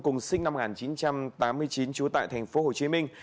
cùng sinh năm một nghìn chín trăm tám mươi chín trú tại thành phố hồ chí minh